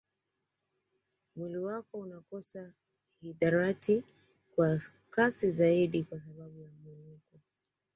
Mwili wako unakosa hidarati kwa kasi zaidi kwa sababu ya mwinuko